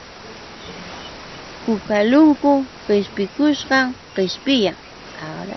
Kukalunkun qipikushqam qishpiyan.